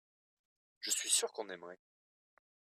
je suis sûr qu'on aimerait.